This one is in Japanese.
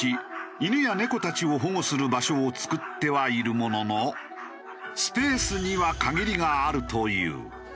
犬や猫たちを保護する場所を作ってはいるもののスペースには限りがあるという。